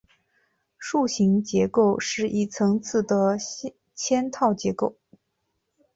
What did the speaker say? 树形结构是一层次的嵌套结构。